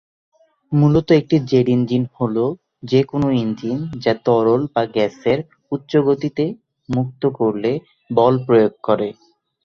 মূলত একটি jet engine হলো যে কোন ইঞ্জিন যা তরল বা গ্যাসের উচ্চ গতিতে মুক্ত করে বল প্রয়োগ করে।